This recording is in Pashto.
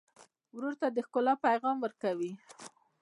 ورور ته د ښکلا پیغام ورکوې.